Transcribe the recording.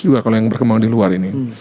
juga kalau yang berkembang di luar ini